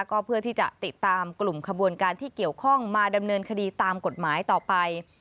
ก็เพื่อที่จะติดตามกลุ่มขบวนการที่เกี่ยวข้องมาดำเนินคดีตามกฎหมายต่อไป